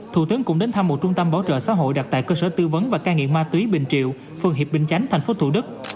thủ tướng cũng đến thăm một trung tâm bảo trợ xã hội đặt tại cơ sở tư vấn và cai nghiện ma túy bình triệu phường hiệp bình chánh tp thủ đức